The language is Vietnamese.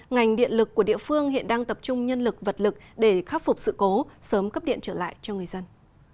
ngành điện lực của địa phương hiện đang tập trung nhân lực vật lực để khắc phục sự cố sớm cấp điện trở lại cho người dân